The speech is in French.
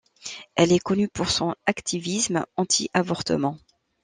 Elle est connue pour son activisme anti-avortement.